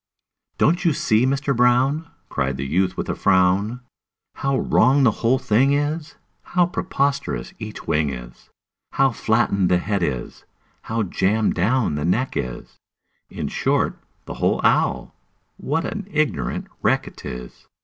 "Don't you see, Mister Brown," Cried the youth, with a frown, "How wrong the whole thing is, How preposterous each wing is, How flattened the head is, how jammed down the neck is In short, the whole owl, what an ignorant wreck 't is!